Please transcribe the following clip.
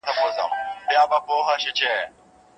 اقتصاد د خلکو غوښتنې او اړتیاوې توضیح کوي.